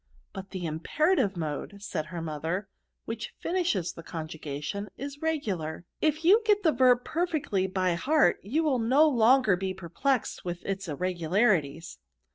" But the imperative mood/* said her mo ther, ^^ which finishes the conjugation, is regular* If you get the verb perfectly by heart, you will no longer be perplexed with its irregularities."